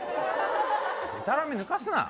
でたらめぬかすな。